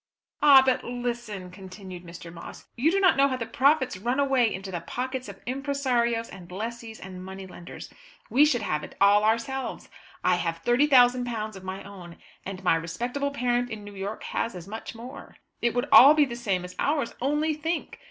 "Ah, but listen!" continued Mr. Moss. "You do not know how the profits run away into the pockets of impresarios and lessees and money lenders. We should have it all ourselves. I have £30,000 of my own, and my respectable parent in New York has as much more. It would all be the same as ours. Only think!